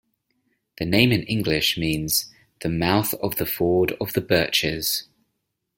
The name in English means "The Mouth of the Ford of the Birches".